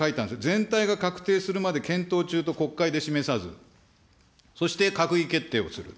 全体が確定するまで検討中と国会で示さず、そして閣議決定をする。